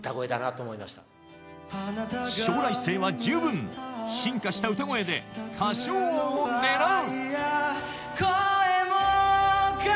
将来性は十分進化した歌声で歌唱王を狙う